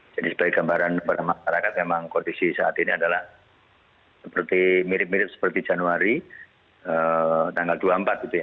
sebagai gambaran kepada masyarakat memang kondisi saat ini adalah seperti mirip mirip seperti januari tanggal dua puluh empat gitu ya